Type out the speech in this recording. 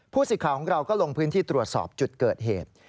สิทธิ์ของเราก็ลงพื้นที่ตรวจสอบจุดเกิดเหตุ